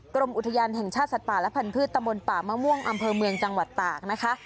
กรมอุทยานแห่งชาติสัตว์ป่าและพันธุ์ตะมนต์ป่ามะม่วงอำเภอเมืองจังหวัดตากนะคะ